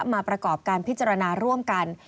ประกอบการพิจารณาร่วมกัน